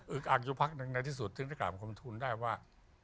อีกอักยุภักดิ์หนึ่งในที่สุดถึงต้องการความทุนได้ว่า